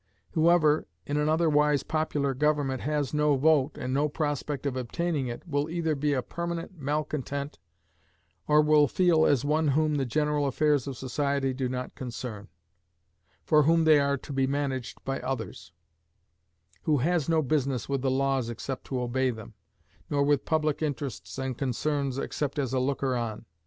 Whoever, in an otherwise popular government, has no vote, and no prospect of obtaining it, will either be a permanent malcontent, or will feel as one whom the general affairs of society do not concern; for whom they are to be managed by others; who "has no business with the laws except to obey them," nor with public interests and concerns except as a looker on.